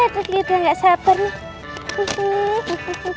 tadi kita gak sabar nih